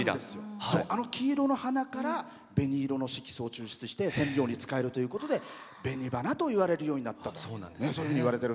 あの黄色の花から色素を抽出して染料に使えるということで紅花といわれてる。